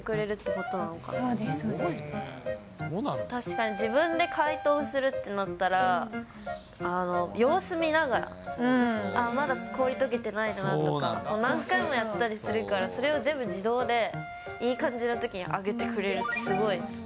確かに、自分で解凍するとなったら、様子見ながら、あっ、まだ氷とけてないなとか、何回もやったりするから、それを全部自動で、いい感じのときに上げてくれるって、すごいですよね。